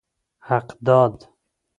حقداد